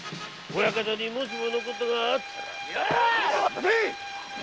親方にもしもの事があったら。